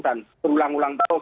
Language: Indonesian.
dan ulang ulang terus